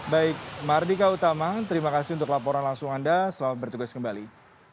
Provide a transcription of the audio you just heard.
baik mardika utama terima kasih untuk laporan langsung anda selamat bertugas kembali